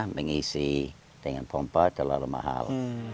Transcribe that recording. mengisi dengan pompa terlalu mahal